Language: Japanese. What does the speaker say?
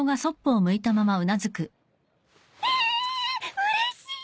うれしい！